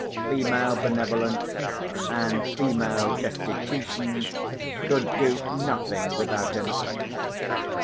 Female benevolence and female destitution could do nothing without him.